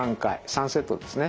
３セットですね。